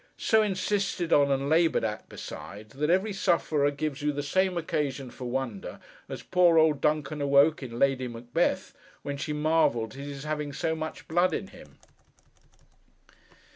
So insisted on, and laboured at, besides, that every sufferer gives you the same occasion for wonder as poor old Duncan awoke, in Lady Macbeth, when she marvelled at his having so much blood in him.